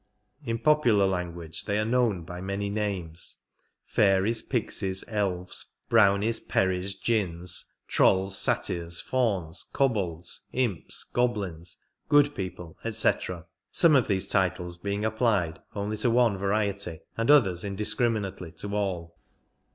In popular language they are known by many names — fairies, pixies, elves, brownies, peris, djinns, trolls, satyrs, fauns, kobolds, imps, goblins, good people, etc. — some of these titles being applied only to one variety, 59 and others indiscriminately to all.